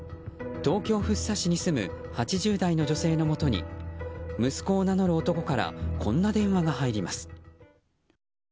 東京・福生市に住む８０代の女性のもとに息子を名乗る男からこんな電話が入ります。